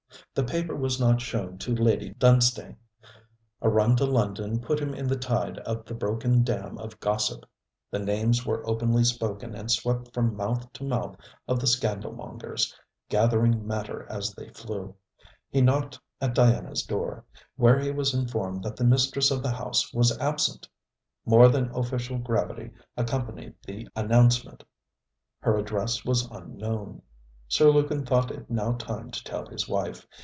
The paper was not shown to Lady Dunstane. A run to London put him in the tide of the broken dam of gossip. The names were openly spoken and swept from mouth to mouth of the scandalmongers, gathering matter as they flew. He knocked at Diana's door, where he was informed that the mistress of the house was absent. More than official gravity accompanied the announcement. Her address was unknown. Sir Lukin thought it now time to tell his wife.